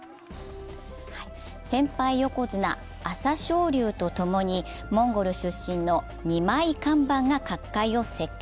先輩横綱・朝青龍とともにモンゴル出身の二枚看板が角界を席巻。